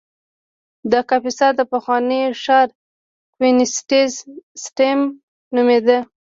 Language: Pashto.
د کاپیسا د پخواني ښار کوینټیسیم نومېده